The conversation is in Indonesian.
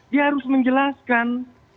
dia harus menjelaskan